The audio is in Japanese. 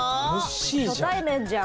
初対面じゃん。